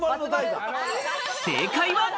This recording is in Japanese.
正解は。